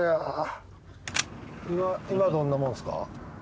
今どんなもんっすか？